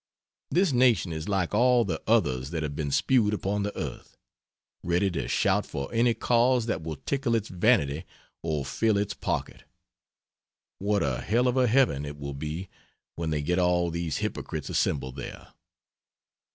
This nation is like all the others that have been spewed upon the earth ready to shout for any cause that will tickle its vanity or fill its pocket. What a hell of a heaven it will be, when they get all these hypocrites assembled there!